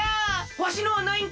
わしのはないんか！？